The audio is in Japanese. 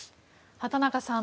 畑中さん